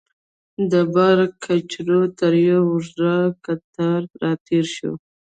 د بار کچرو تر یوه اوږد قطار راتېر شوو.